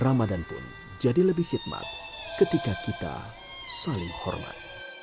ramadan pun jadi lebih khidmat ketika kita saling hormat